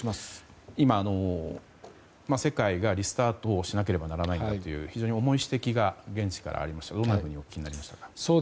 今、世界がリスタートしなければならないという非常に重い指摘が現地からありましたがどんな気持ちになりましたか。